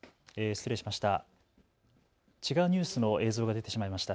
失礼しました。